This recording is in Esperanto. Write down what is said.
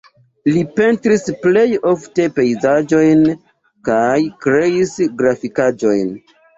Li pentris plej ofte pejzaĝojn kaj kreis grafikaĵojn.